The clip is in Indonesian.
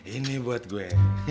ini buat gue